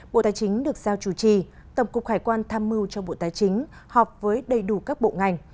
bộ tài chính được giao chủ trì tổng cục hải quan tham mưu cho bộ tài chính họp với đầy đủ các bộ ngành